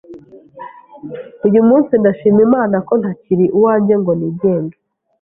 Uyu munsi ndashima Imana ko ntakiri uwanjye ngo nigenge